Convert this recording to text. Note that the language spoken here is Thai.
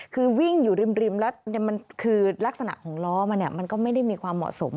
คือวิ่งอยู่ริมแล้วมันคือลักษณะของล้อมันมันก็ไม่ได้มีความเหมาะสม